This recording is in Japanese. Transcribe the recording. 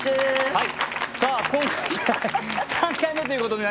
はい。